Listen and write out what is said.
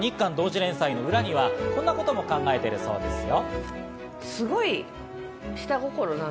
連載の裏にはこんなことも考えているそうですよ。